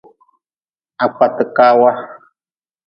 Ha kpati kaawa.